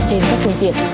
trên các công tiện